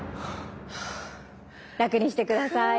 楽にして下さい。